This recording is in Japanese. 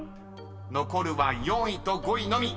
［残るは４位と５位のみ］